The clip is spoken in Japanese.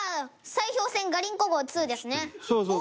砕氷船ガリンコ号Ⅱですね。